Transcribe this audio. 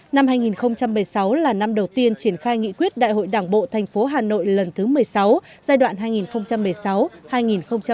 năm hai nghìn một mươi sáu là năm đầu tiên triển khai nghị quyết đại hội đảng bộ thành phố hà nội lần thứ một mươi sáu giai đoạn hai nghìn một mươi sáu hai nghìn hai mươi